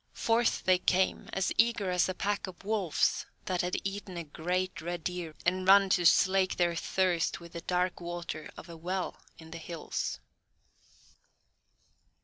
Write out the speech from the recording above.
Forth they came, as eager as a pack of wolves that have eaten a great red deer and run to slake their thirst with the dark water of a well in the hills.